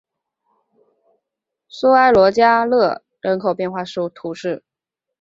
苏埃罗加勒人口变化图示